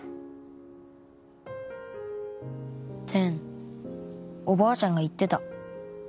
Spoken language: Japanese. てんおばあちゃんが言ってた。